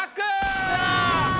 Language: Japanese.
うわ！